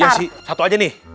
iya sih satu aja nih